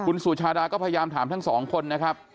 คุณสุชาดาก็พยายามถามทั้งสองคนนะครับ